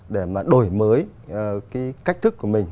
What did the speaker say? để mà đổi mới cái cách thức của mình